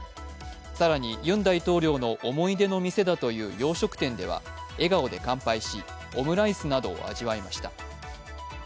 更に、ユン大統領の思い出の店だという洋食店では笑顔で乾杯し、オムライスなどを味わいました。